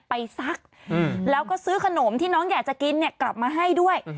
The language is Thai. ซักแล้วก็ซื้อขนมที่น้องอยากจะกินเนี่ยกลับมาให้ด้วย